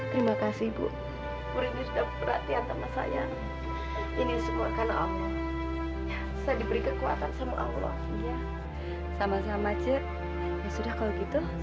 terima kasih ibu muridnya sudah berhati hati sama saya ini semua karena allah saya diberi kekuatan sama allah